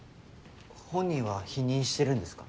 本人は否認してるんですか？